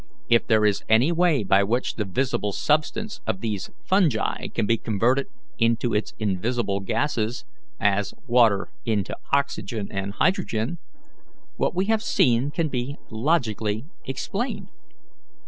If there is any way by which the visible substance of these fungi can be converted into its invisible gases, as water into oxygen and hydrogen, what we have seen can be logically explained.